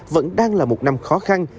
vẫn đang là một năm khó khăn